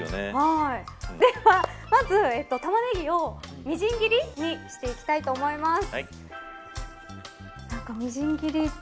では、まずタマネギをみじん切りにしていきたいと思います。